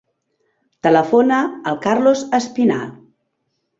Telefona al Carlos Espinar.